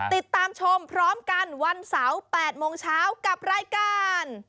ติดตามชมพร้อมกันวันเสาร์๘โมงเช้ากับรายการ